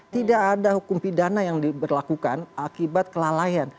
tidak ada hukum pidana yang diberlakukan akibat kelalaian